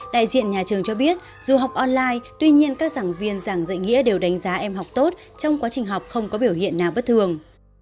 đại diện nhà trường cho biết dù học online tuy nhiên các giảng viên giảng dạy nghĩa đều đánh giá em học tốt trong quá trình học không có biểu hiện nào bất thường